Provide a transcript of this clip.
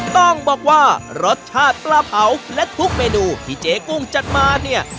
ต้องบอกว่ารสชาติปลาเผาและทุกเมนูที่เจ๊กุ้งจัดมาเนี่ย